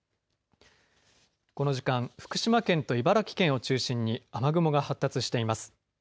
この時間、福島県と茨城県を中心に雨雲が発達しています。